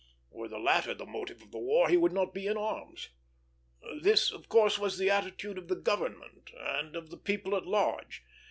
Were the latter the motive of the war, he would not be in arms. This, of course, was then the attitude of the government and of the people at large.